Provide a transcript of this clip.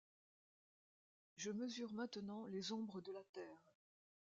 Je mesure maintenant les ombres de la Terre.